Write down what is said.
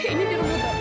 ini di rumah bapak